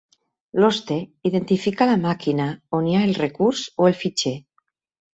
L'hoste identifica la màquina on hi ha el recurs o el fitxer.